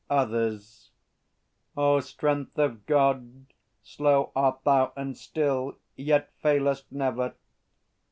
Others. O Strength of God, slow art thou and still, Yet failest never!